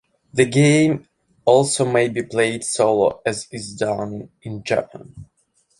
The game also may be played solo, as is done in Japan.